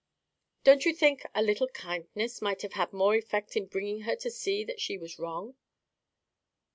"Don't you think a little kindness might have had more effect in bringing her to see that she was wrong."